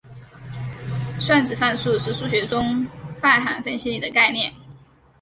算子范数是数学中泛函分析里的概念。